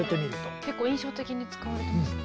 結構印象的に使われてますね。